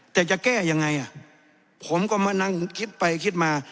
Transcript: แต่จะแก้ยังไงอ่ะผมก็มานั่งคิดไปคิดมา